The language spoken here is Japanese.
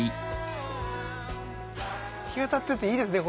日当たってていいですね